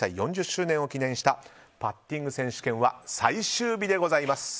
４０周年を記念したパッティング選手権は最終日でございます。